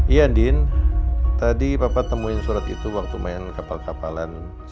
iya ndin tadi papa temuin surat itu waktu main kepal kepalainya shading airzus